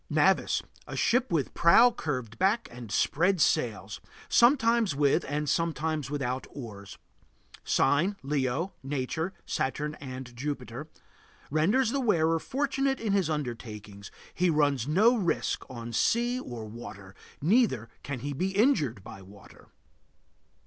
NAVIS. A ship with prow curved back and spread sails; sometimes with and sometimes without oars. Sign: Leo. Nature: Saturn and Jupiter. Renders the wearer fortunate in his undertakings; he runs no risk on sea or water, neither can he be injured by water.